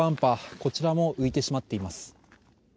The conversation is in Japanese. こちらも浮いてしまっています。